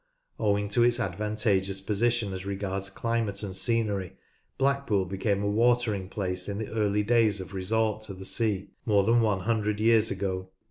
Owing to its advantageous position as regards climate and scenery, Blackpool became a watering place in the early days of resort to the sea — more than one hundred years ago.